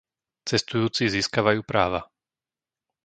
Cestujúci získavajú práva.